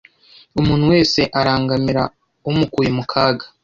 Umuntu wese arangamira umukuye mu kaga